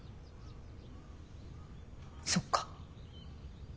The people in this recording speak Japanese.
そっか。